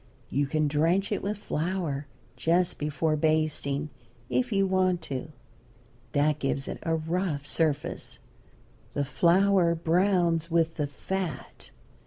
You can drench it with flour, just before basting, if you want to. That gives it a rough surface. The flour browns with the fat.